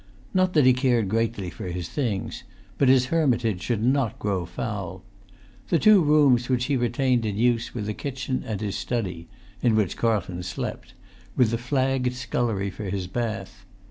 Not that he cared greatly for his things; but his hermitage should not grow foul. The two rooms which he retained in use were the kitchen and his study (in which Carlton slept), with the flagged scullery for his bath.